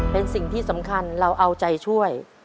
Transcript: เป็นสิ่งที่สำคัญเราเอาใจช่วย